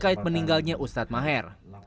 berkait meninggalnya ustadz maher